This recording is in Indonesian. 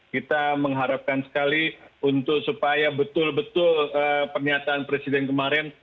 kita mengharapkan sekali untuk supaya betul betul pernyataan presiden kemarin